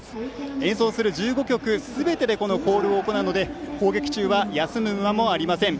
演奏する１５曲すべてでこのコールを行うので攻撃中は休む間もありません。